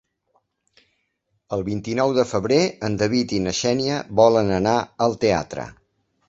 El vint-i-nou de febrer en David i na Xènia volen anar al teatre.